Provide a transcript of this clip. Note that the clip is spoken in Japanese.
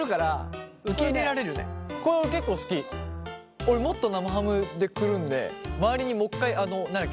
俺もっと生ハムでくるんで周りにもう一回何だっけ？